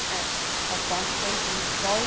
Ernst of Boston in Vols.